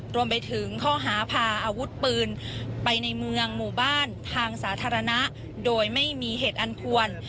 รวมไปถึงข้อหาพาอาวุธปืนไปในเมืองหมู่บ้านทางสาธารณะโดยไม่มีเหตุอันควร